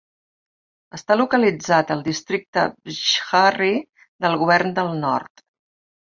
Està localitzat al districte Bsharri del Govern del Nord.